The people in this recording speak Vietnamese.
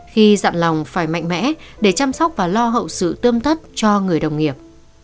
khi dặn lòng phải mạnh mẽ để chăm sóc và lo hậu sự tươm tất cho người đồng nghiệp